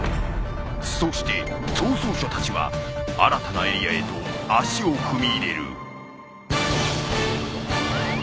［そして逃走者たちは新たなエリアへと足を踏み入れる］